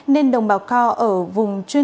nên đồng bào cao ở vùng chuyên